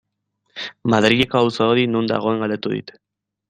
Madrileko auzo hori non dagoen galdetu dit.